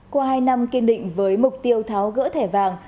qua hai năm kiên định với mục tiêu tháo gỡ thẻ vàng